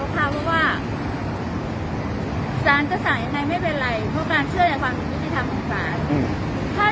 เพราะว่าศาลจะสั่งอย่างใดมันไม่เป็นไรเพราะการเชื่อให้ความสิทธิ์ทางภูมิฟ้า